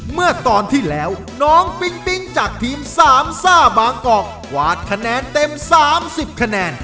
เมื่อตอนที่แล้วน้องปิ๊งปิ๊งจากทีมสามซ่าบางกอกกวาดคะแนนเต็ม๓๐คะแนน